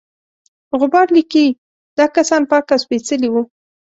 غبار لیکي دا کسان پاک او سپیڅلي وه.